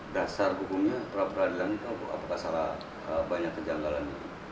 dasar hukumnya pra peradilan itu apakah salah banyak kejanggalan